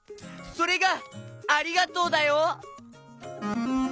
それが「ありがとう」だよ！